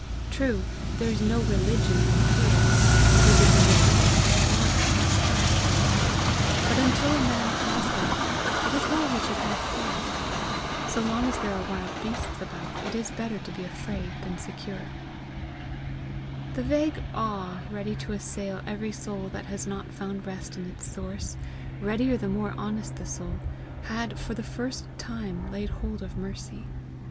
True, there is no religion in fear; religion is love, and love casts out fear; but until a man has love, it is well he should have fear. So long as there are wild beasts about, it is better to be afraid than secure. The vague awe ready to assail every soul that has not found rest in its source, readier the more honest the soul, had for the first time laid hold of Mercy.